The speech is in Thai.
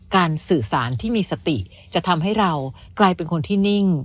สื่อสารที่มีสติจะทำให้เรากลายเป็นคนที่นิ่ง